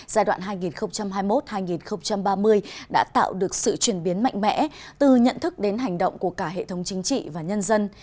giai đoạn hai nghìn hai mươi một hai nghìn ba mươi đã tạo được sự chuyển biến mạnh mẽ từ nhận thức đến hành động của cả hệ thống chính trị và nhân dân